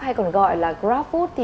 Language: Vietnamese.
hay còn gọi là grabfood